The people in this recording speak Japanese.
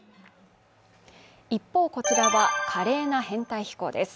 一方、こちらは華麗な編隊飛行です。